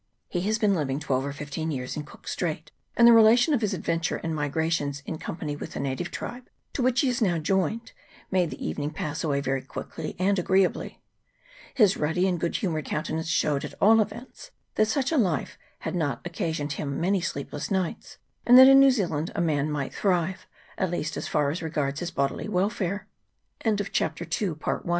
He has been living twelve or fifteen years in Cook's Strait, and the relation of his adventures and migrations in company with the native tribe, to which he is now joined, made the evening pass away very quickly and agreeably. His ruddy and good humoured countenance showed, at all events, that such a life had not occasioned him many sleepless nights, and that in New Zealand a man might